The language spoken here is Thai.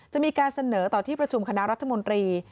จะมีการเสนอต่อที่ประชุมคณะรัฐมนตรี